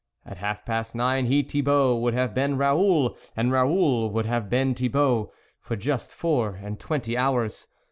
At half past nine, he, Thibault, would have been Raoul, and Raoul would have been Thibault, for just four and twenty hours.